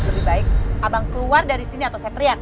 lebih baik abang keluar dari sini atau saya teriak